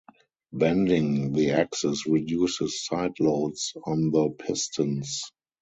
Bending the axis reduces side loads on the pistons.